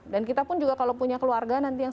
dan kita pun juga kalau punya keluarga nanti yang